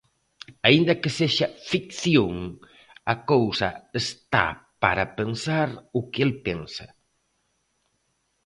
Aínda que sexa ficción, a cousa está para pensar o que el pensa.